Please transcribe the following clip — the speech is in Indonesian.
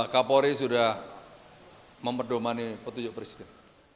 kak polri sudah memperdomani petujuh presiden